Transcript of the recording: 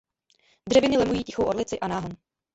Dřeviny lemují Tichou Orlici a náhon.